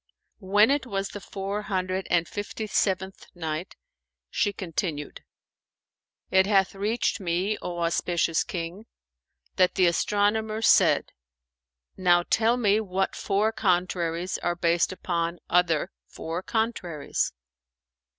When it was the Four Hundred and Fifty seventh Night, She continued, It hath reached me, O auspicious King, that the astronomer said, "Now tell me what four contraries are based upon other four contraries?"